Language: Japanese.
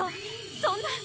そんな。